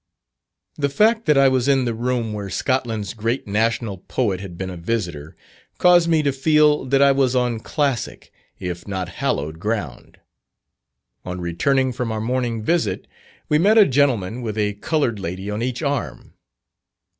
The fact that I was in the room where Scotland's great national poet had been a visitor, caused me to feel that I was on classic, if not hallowed ground. On returning from our morning visit, we met a gentleman with a coloured lady on each arm.